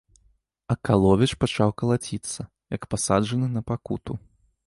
Акаловіч пачаў калаціцца, як пасаджаны на пакуту.